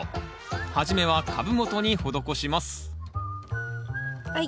初めは株元に施しますはい。